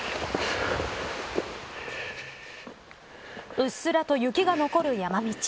うっすらと雪が残る山道。